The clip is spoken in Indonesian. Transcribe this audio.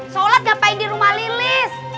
sholat ngapain di rumah lilis